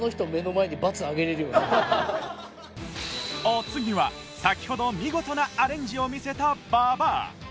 お次は先ほど見事なアレンジを見せた馬場